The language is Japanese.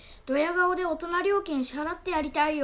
顔で大人料金支払ってやりたいよ。